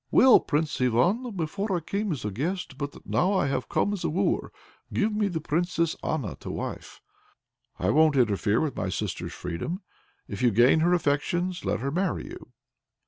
"Well, Prince Ivan! Before I came as a guest, but now I have come as a wooer. Give me the Princess Anna to wife." "I won't interfere with my sister's freedom. If you gain her affections, let her marry you."